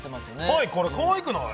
はいこれかわいくない？